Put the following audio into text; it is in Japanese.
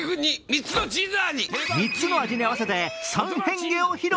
３つの味に合わせて３変化を披露。